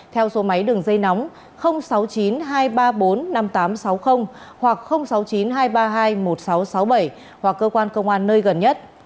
theo số máy đường dây nóng sáu mươi chín hai trăm ba mươi bốn năm nghìn tám trăm sáu mươi hoặc sáu mươi chín hai trăm ba mươi hai một nghìn sáu trăm sáu mươi bảy hoặc cơ quan công an nơi gần nhất